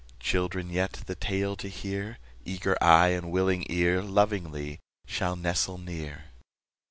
Children yet, the tale to hear, Eager eye and willing ear, Lovingly shall nestle near.